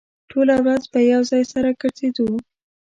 ټوله ورځ به يو ځای سره ګرځېدو.